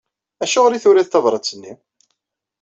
Acuɣer i turiḍ tabrat-nni?